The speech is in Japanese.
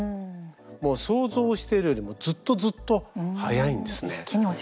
もう想像しているよりもずっとずっと速いんですね。